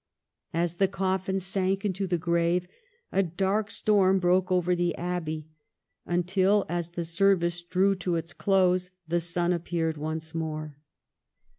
As the cojffin sank into the grave, a dark storm broke over the Abbey, until, as the service drew to its close, the sun appeared once more.